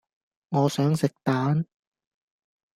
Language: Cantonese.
我想食蛋